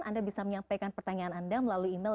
anda bisa menyampaikan pertanyaan anda melalui email